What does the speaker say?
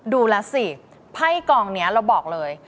ดูแล้วสิไพ่กองนี้เราบอกเลย